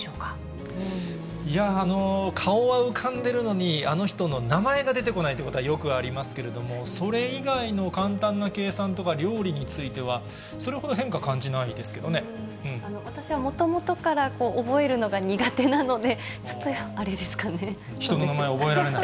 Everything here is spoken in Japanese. いやー、顔は浮かんでるのに、あの人の名前が出てこないってことはよくありますけれども、それ以外の簡単な計算とか料理については、私はもともとから覚えるのが苦手なので、人の名前覚えられない？